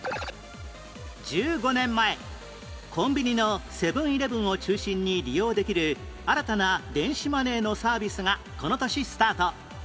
１５年前コンビニのセブン−イレブンを中心に利用できる新たな電子マネーのサービスがこの年スタート